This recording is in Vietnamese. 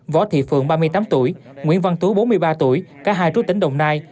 võ thị phượng ba mươi tám tuổi nguyễn văn tú bốn mươi ba tuổi cả hai trú tỉnh đồng nai